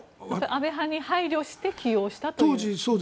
安倍派に配慮して起用したという。